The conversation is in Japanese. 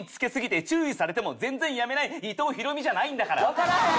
わからへん！